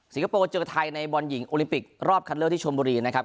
คโปร์เจอไทยในบอลหญิงโอลิมปิกรอบคัดเลือกที่ชนบุรีนะครับ